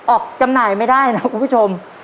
จำหน่ายไม่ได้นะคุณผู้ชม